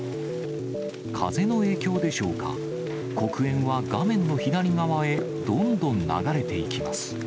風の影響でしょうか、黒煙は画面の左側へどんどん流れていきます。